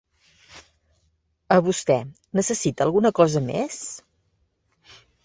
A vostè, necessita alguna cosa més?